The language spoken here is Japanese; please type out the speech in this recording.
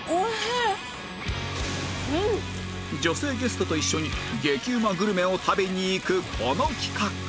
女性ゲストと一緒に激うまグルメを食べに行くこの企画